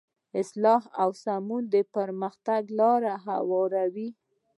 اصلاح او سمون د پرمختګ لاره هواروي.